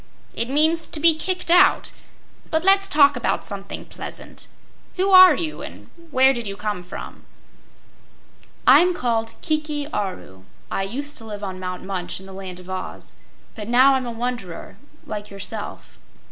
"It means to be kicked out. But let's talk about something pleasant. Who are you and where did you come from?" "I'm called Kiki Aru. I used to live on Mount Munch in the Land of Oz, but now I'm a wanderer like yourself."